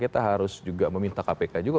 kita harus juga meminta kpk juga